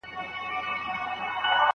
چې زړه ته، ته راغلې په مخه رقيب هم راغی